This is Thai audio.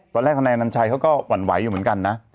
ทนายอนัญชัยเขาก็หวั่นไหวอยู่เหมือนกันนะ